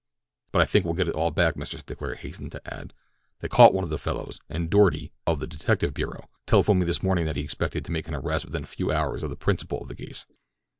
"But I think we'll get it all back," Mr. Stickler hastened to add. "They caught one of the fellows, and Doarty—of the detective bureau—telephoned me this morning that he expected to make an arrest within a few hours of the principal in the case."